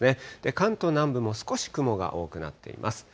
関東南部も少し雲が多くなっています。